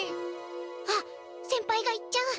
あっ先輩が行っちゃう。